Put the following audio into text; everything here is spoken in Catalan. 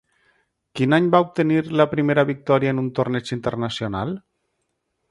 Quin any va obtenir la primera victòria en un torneig internacional?